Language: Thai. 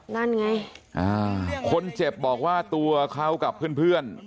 นั่นไงคนเจ็บบอกว่าตัวเขากับเพื่อน